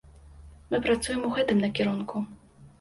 Мы працуем у гэтым накірунку.